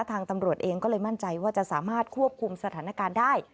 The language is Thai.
ทางตำรวจเองก็เลยมั่นใจว่าจะสามารถควบคุมสถานการณ์ได้